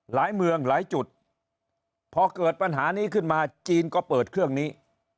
เมืองหลายจุดพอเกิดปัญหานี้ขึ้นมาจีนก็เปิดเครื่องนี้